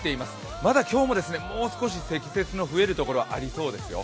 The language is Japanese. まだ今日も、もう少し積雪の増えるところがありそうですよ。